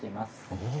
おお。